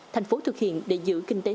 thành phố thực hiện để giữ kinh tế